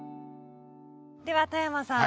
では外山さん